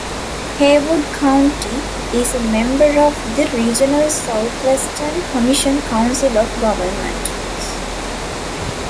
Haywood County is a member of the regional Southwestern Commission council of governments.